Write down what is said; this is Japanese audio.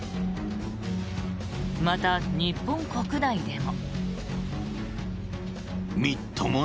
また、日本国内でも。